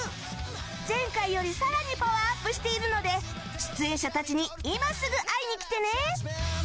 前回より更にパワーアップしているので出演者たちに今すぐ会いに来てね！